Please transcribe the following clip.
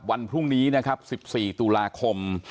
วันพรุ่งนี้นะครับ๑๔ตุลาคม